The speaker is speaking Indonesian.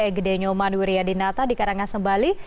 egede nyuman wuryadinata di karangasembali